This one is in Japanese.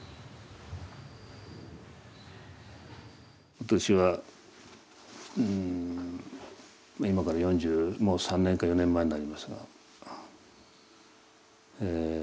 私はうん今から４３年か４４年前になりますがえ